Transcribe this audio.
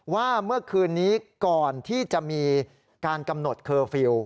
ว่าเมื่อคืนนี้ก่อนที่จะมีการกำหนดเคอร์ฟิลล์